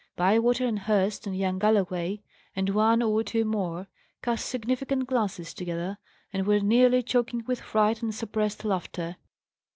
Bywater, and Hurst, and young Galloway, and one or two more, cast significant glances together, and were nearly choking with fright and suppressed laughter.